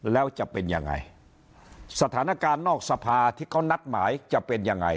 แล้วจะเป็นยังไงสถานการณ์นอกสภาที่เขานัดหมายจะเป็นยังไง